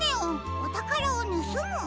おたからをぬすむ」？